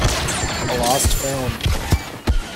A lost film.